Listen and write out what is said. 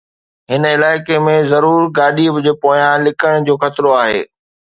هن علائقي ۾ ضرور گاڏي جي پويان لڪڻ جو خطرو آهي